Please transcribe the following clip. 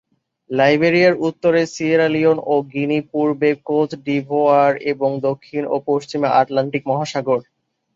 লাইবেরিয়ার উত্তরে Sierra Leone ও Guinea, পূর্বে কোত দিভোয়ার, এবং দক্ষিণ ও পশ্চিমে আটলান্টিক মহাসাগর।